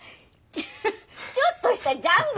ちょっとしたジャングルやん！